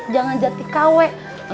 jangan jati kawe